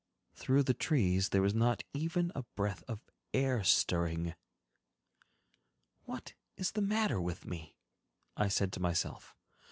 Through the trees there was not even a breath of air stirring. "What is the matter with me?" I said to myself.